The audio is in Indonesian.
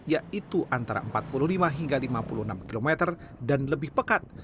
yaitu antara empat puluh lima hingga lima puluh enam km dan lebih pekat